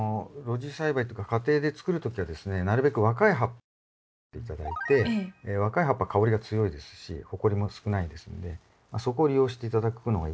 露地栽培っていうか家庭で作る時はですねなるべく若い葉っぱをとって頂いて若い葉っぱ香りが強いですしほこりも少ないですのでそこを利用して頂くのがいいかなと。